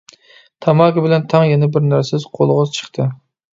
تاماكا بىلەن تەڭ يەنە بىر نەرسە قولىغا چىقتى.